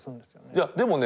いやでもね